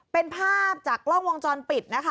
เป็นภาพจากกล้องวงจรปิดนะคะ